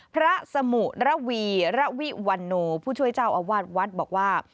พระสมุระวีระวิวันโนผู้ช่วยเจ้าอาวาสวัดบอกว่า